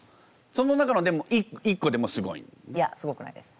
その中のでも１個でもすごい？いやすごくないです。